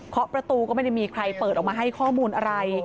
ประตูก็ไม่ได้มีใครเปิดออกมาให้ข้อมูลอะไร